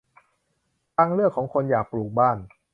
ทางเลือกของคนอยากปลูกบ้าน